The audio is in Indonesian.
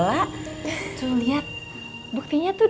jadi pamit ya pak